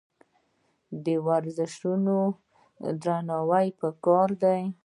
د ورزشکارانو درناوی پکار دی.